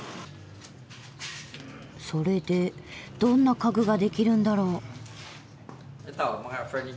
それでどんな家具ができるんだろう？